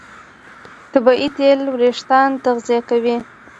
طبیعي تېل وېښتيان تغذیه کوي.